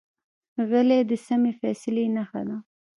غلی، د سمې فیصلې نښه ده.